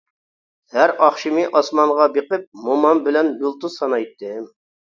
ھەر ئاخشىمى ئاسمانغا بېقىپ، مومام بىلەن يۇلتۇز سانايتتىم.